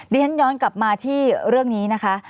ด้วยฉะนั้นย้อนกลับมาที่เรื่องนี้นะคะ